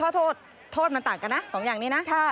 โทษโทษมันต่างจากน่ะสองอย่างนี้นะ